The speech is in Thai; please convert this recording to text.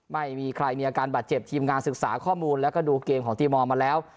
ไม่มีใครมีอาการบาดเจ็บทีมงานศึกษาข้อมูลแล้วก็ดูเกมของตีมอลมาแล้ว